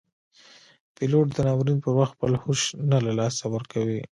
پیلوټ د ناورین پر وخت خپل هوش نه له لاسه ورکوي.